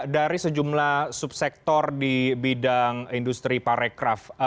dari sejumlah subsektor di bidang industri parekraf